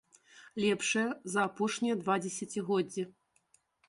Лепшыя за апошнія два дзесяцігоддзі.